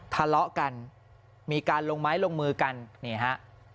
ทะเลาะกันมีการลงไม้ลงมือกันนี่ฮะ